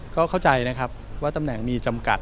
ก็เข้าใจนะครับว่าตำแหน่งมีจำกัด